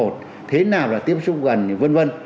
thế nào là tiếp xúc gần vân vân